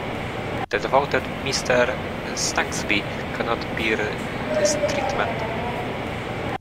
The devoted Mr. Snagsby cannot bear this treatment.